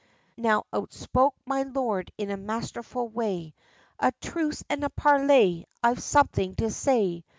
Now outspoke my lord in a masterful way, 'A truce and a parley! I've something to say!